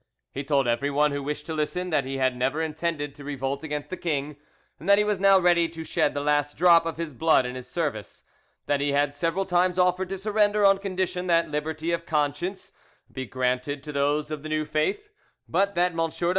He told everyone who wished to listen that he had never intended to revolt against the king; and that he was now ready to shed the last drop of his blood in his service; that he had several times offered to surrender on condition that liberty of conscience was granted to those of the new faith, but that M.